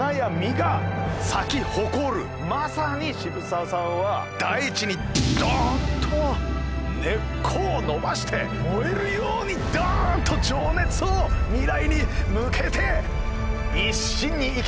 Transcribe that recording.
まさに渋沢さんは大地にドンと根っこを伸ばして燃えるようにドンと情熱を未来に向けて一心に生きたのが栄一さんでございます。